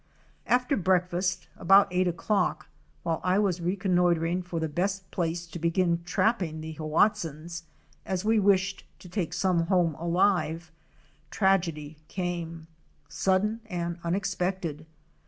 After breakfast about 8 o'clock, while I was reconnoitering for the best place to begin trapping the Hoatzins, as we wished to take some home alive, tragedy came, sudden and unexpected.